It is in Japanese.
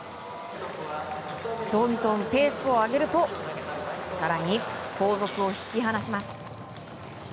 どんどんペースを上げると更に後続を引き離します。